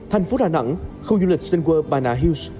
thành phố đà nẵng khu du lịch sinh quơ pana hills